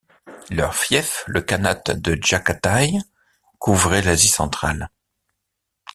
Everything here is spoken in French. Leur fief, le khanat de Djaghataï, couvrait l’Asie centrale.